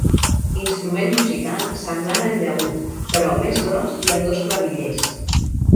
Instrument musical semblant al llaüt, però més gros i amb dos clavillers.